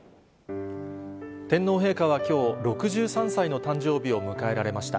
天皇陛下はきょう、６３歳の誕生日を迎えられました。